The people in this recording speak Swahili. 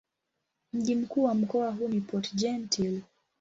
Mji mkuu wa mkoa huu ni Port-Gentil.